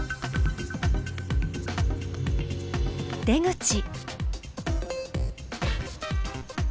出口。